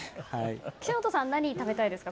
岸本さん、何食べたいですか